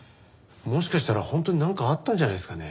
もしかしたら本当になんかあったんじゃないですかね。